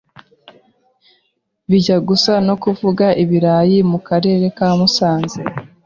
bijya gusa no kuvuga ibirayi mu Karere ka Musanze